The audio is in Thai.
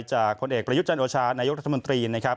ผลเอกประยุทธ์จันโอชานายกรัฐมนตรีนะครับ